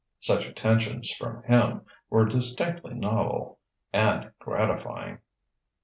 Such attentions from him were distinctly novel and gratifying.